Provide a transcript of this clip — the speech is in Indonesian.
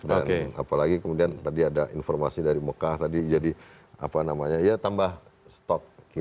apalagi kemudian tadi ada informasi dari mekah tadi jadi apa namanya ya tambah stok